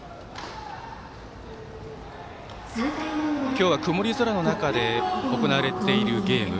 今日は曇り空の中で行われているゲーム。